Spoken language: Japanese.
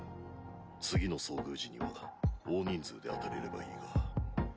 次の遭遇時には大人数で当たれればいいが。